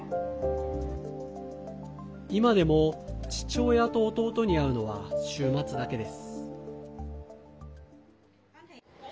今でも、父親と弟に会うのは週末だけです。